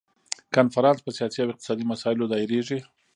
کنفرانس په سیاسي او اقتصادي مسایلو دایریږي.